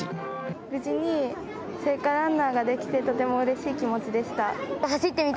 無事に聖火ランナーができてとてもうれしい気持ちでした。